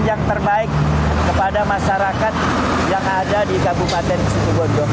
yang terbaik kepada masyarakat yang ada di kabupaten situbondo